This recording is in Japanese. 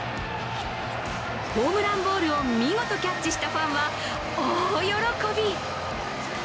ホームランボールを見事キャッチしたファンは、大喜び。